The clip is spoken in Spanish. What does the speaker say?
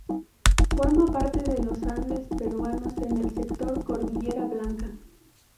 Forma parte de los Andes peruanos en el sector Cordillera Blanca.